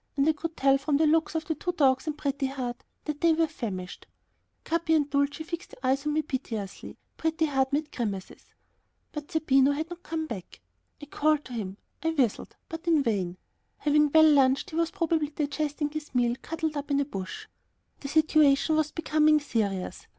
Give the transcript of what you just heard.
And I could tell from the looks of the two dogs and Pretty Heart that they were famished. Capi and Dulcie fixed their eyes on me piteously; Pretty Heart made grimaces. But still Zerbino had not come back. I called to him, I whistled, but in vain. Having well lunched he was probably digesting his meal, cuddled up in a bush. The situation was becoming serious.